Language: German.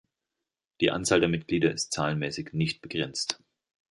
Die Anzahl der Mitglieder ist zahlenmäßig nicht begrenzt.